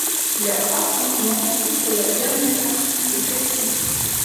Leur affrontement couvre la dernière partie du récit.